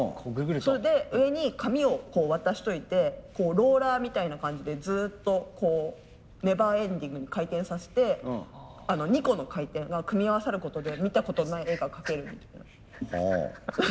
それで上に紙を渡しといてローラーみたいな感じでずっとこうネバーエンディングに回転させて２個の回転が組み合わさることで見たことない絵が描けるみたいな。